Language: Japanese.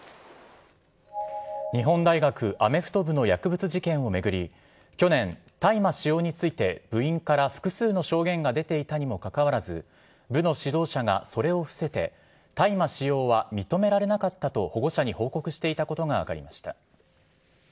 日本大学アメフト部の薬物事件を巡り、去年、大麻使用について、部員から複数の証言が出ていたにもかかわらず、部の指導者がそれを伏せて、大麻使用は認められなかったと保護者に報告していたことが分かりました。